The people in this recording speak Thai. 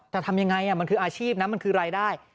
แต่ทำยังไงมันคืออาชีพนะมันคือรายได้